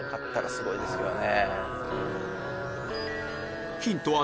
すごいですよね。